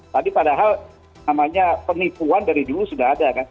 tadi padahal namanya penipuan dari dulu sudah ada kan